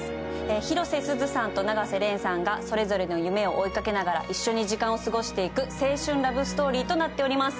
広瀬すずさんと永瀬廉さんがそれぞれの夢を追いかけながら一緒に時間を過ごしていく青春ラブストーリーとなっています。